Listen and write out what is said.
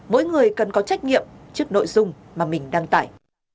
mỗi người cần có trách nhiệm trước nội dung mà mình đăng tải